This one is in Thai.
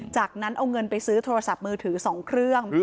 จากนั้นเอาเงินไปซื้อโทรศัพท์มือถือ๒เครื่อง